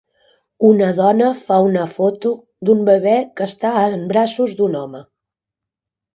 Una dona fa una foto d'un bebè que està en braços d'un home.